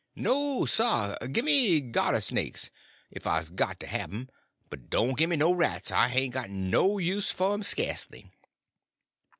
No, sah, gimme g'yarter snakes, 'f I's got to have 'm, but doan' gimme no rats; I hain' got no use f'r um, skasely."